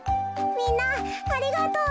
みんなありがとう。